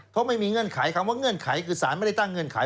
เพราะไม่มีเงื่อนไขคำว่าเงื่อนไขคือสารไม่ได้ตั้งเงื่อนไข